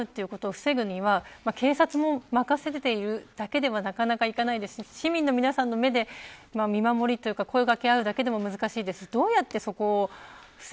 ここから犯罪に至ってしまうということを防ぐには警察に任せるというだけではなかなか、いかないですし市民の皆さんの目で見守りというか声を掛けあうだけだと難しいです。